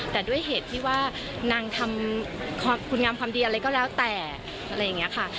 แต่ด้วยเหตุที่ว่านางทำคุณงามความดีอะไรก็แล้วแต่อะไรอย่างนี้ค่ะ